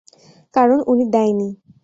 কারন উনি দেয় নি!